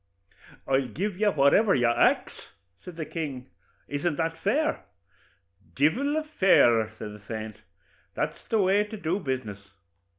'I'll give you whatever you ax,' says the king; 'isn't that fair?' 'Divil a fairer,' says the saint; 'that's the way to do business.